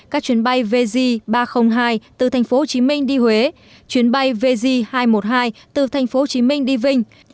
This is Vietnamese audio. các chuyến bay vz ba trăm linh hai từ tp hcm đi huế chuyến bay vz hai trăm một mươi hai từ tp hcm đi vnhcm